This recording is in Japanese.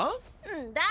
んだ。